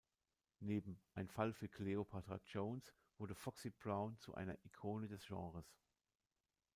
Neben "Ein Fall für Cleopatra Jones" wurde Foxy Brown zu einer Ikone des Genres.